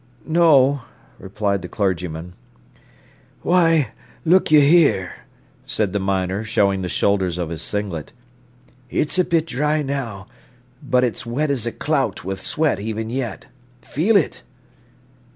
"No," replied the clergyman. "Why, look yer 'ere," said the miner, showing the shoulders of his singlet. "It's a bit dry now, but it's wet as a clout with sweat even yet. Feel it."